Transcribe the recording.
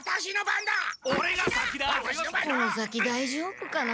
この先だいじょうぶかな？